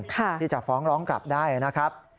ที่จะฟ้องร้องกลับได้นะครับ